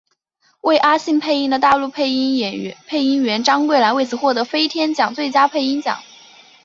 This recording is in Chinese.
为阿信配音的大陆配音员张桂兰为此获得飞天奖最佳配音奖。